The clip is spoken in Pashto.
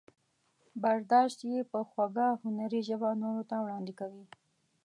برداشت یې په خوږه هنري ژبه نورو ته وړاندې کوي.